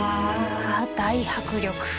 大迫力。